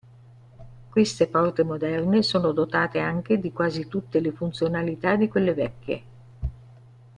Queste porte moderne sono dotate anche di quasi tutte le funzionalità di quelle vecchie.